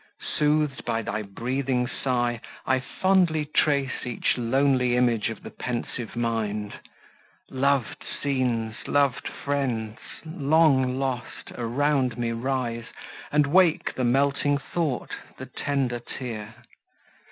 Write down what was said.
Sooth'd by thy breathing sigh, I fondly trace Each lonely image of the pensive mind! Lov'd scenes, lov'd friends—long lost! around me rise, And wake the melting thought, the tender tear!